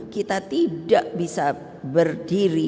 kita tidak bisa berdiri